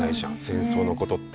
戦争のことって。